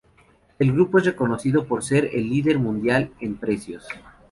El grupo es reconocido por ser el líder mundial en precios.